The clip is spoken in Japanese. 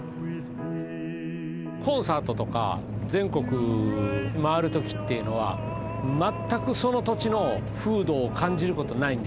コンサートとか全国回るときっていうのはまったくその土地の風土を感じることないんですよ。